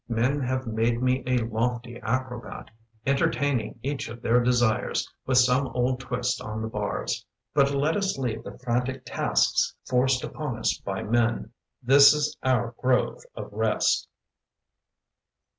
Men have made me a lofty acrobat Entertaining each of their desires With some old twist on the bars. But let us leave the frantic tasks Forced upon us by men. This is our grove of rest.